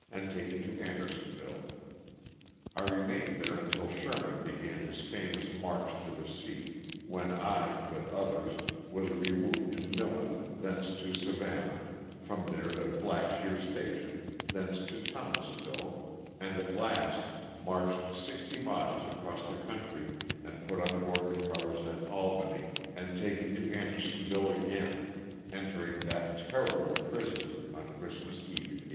and taken to Anderson ville. I remained there until Sherman began his famous march to the sea, when I, with others, was removed to Millen, thence to Savannah, from there to Blackshear Station, thence to Thomasville, and at last marched sixty miles across the country and put on board the cars at Albany and taken to Andersonville again, entering that ter rible prison on Christmas eve, 1864.